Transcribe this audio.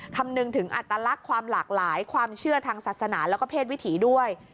คำนึงถึงอัตลักษณ์ความหลากหลายความเชื่อทางศาสนาแล้วก็เพศวิถีด้วย